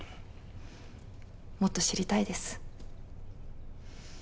もっと知りたいです。